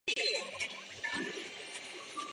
如此的城下町规划后来也促成了锦带桥的建成。